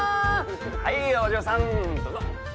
はいお嬢さんどうぞ。